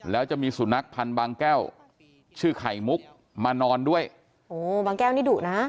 แล้วจะมีสุนัขพันธ์บางแก้วชื่อไข่มุกมานอนด้วยโอ้บางแก้วนี่ดุนะ